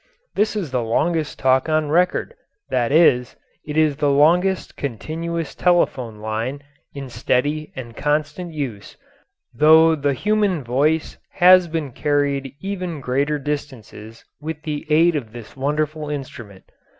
This is the longest talk on record that is, it is the longest continuous telephone line in steady and constant use, though the human voice has been carried even greater distances with the aid of this wonderful instrument.